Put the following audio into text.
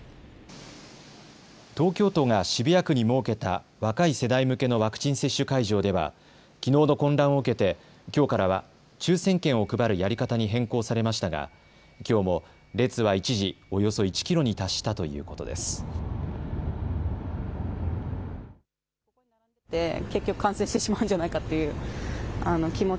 東京都が渋谷区に設けた若い世代向けのワクチン接種会場ではきのうの混乱を受けてきょうからは抽せん券を配るやり方に変更されましたがきょうも列は一時、およそ１キロに達したということです。